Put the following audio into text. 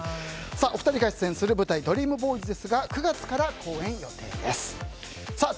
お二人が出演する舞台「ＤＲＥＡＭＢＯＹＳ」ですが９月から公演予定です。